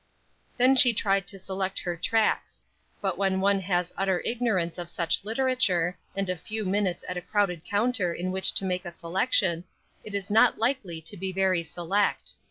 Then she tried to select her tracts; but when one has utter ignorance of such literature, and a few minutes at a crowded counter in which to make a selection, it is not likely to be very select.